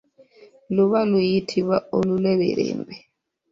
Luba luyitibwa oluleberembe.